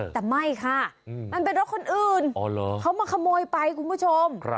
แต่ไม่ค่ะมันเป็นรถคนอื่นเขามาขโมยไปคุณผู้ชม